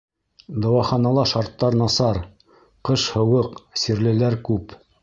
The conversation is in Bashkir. Дауаханала шарттар насар, ҡыш һыуыҡ, сирлеләр күп.